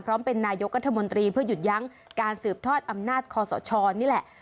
เป็นนายกรัฐมนตรีเพื่อหยุดยั้งการสืบทอดอำนาจคอสชนี่แหละ